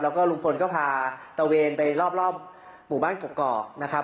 แล้วก็ลุงพลก็พาตะเวนไปรอบหมู่บ้านกกอกนะครับ